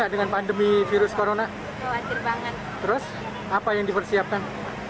dengan pandemi virus corona terus apa yang dipersiapkan